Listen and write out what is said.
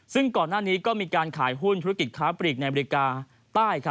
ซึ่งก่อนหน้านี้ก็มีการขายหุ้นธุรกิจค้าปลีกในอเมริกาใต้